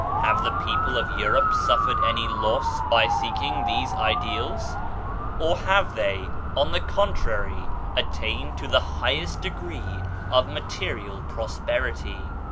Have the people of Europe suffered any loss by seeking these ideals? Or have they on the contrary attained the highest degree of material prosperity?